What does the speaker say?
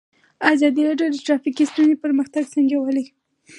ازادي راډیو د ټرافیکي ستونزې پرمختګ سنجولی.